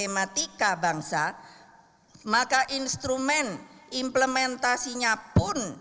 maka instrumen implementasinya pun